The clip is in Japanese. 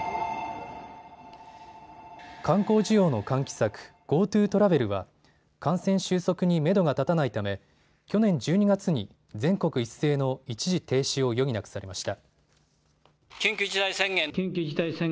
観光需要の喚起策、ＧｏＴｏトラベルは感染収束にめどが立たないため去年１２月に全国一斉の一時停止を余儀なくされました。